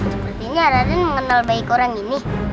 sepertinya raden mengenal baik orang gini